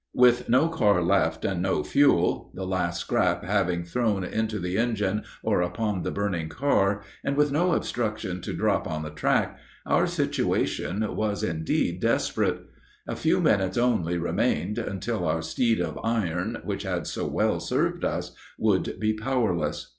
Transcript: With no car left, and no fuel, the last scrap having thrown into the engine or upon the burning car, and with no obstruction to drop on the track, our situation was indeed desperate. A few minutes only remained until our steed of iron which had so well served us would be powerless.